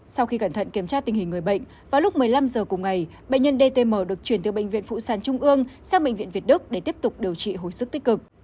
sau khi cẩn thận kiểm tra tình hình người bệnh vào lúc một mươi năm h cùng ngày bệnh nhân dtm được chuyển từ bệnh viện phụ sản trung ương sang bệnh viện việt đức để tiếp tục điều trị hồi sức tích cực